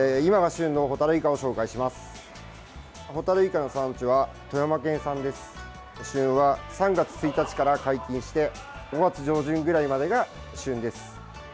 旬は３月１日から解禁して５月上旬くらいまでが旬です。